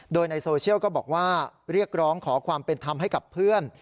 โดยในโซเชียลก็บอกว่าเรียกร้องขอความเป็นธรรมให้กับเพื่อน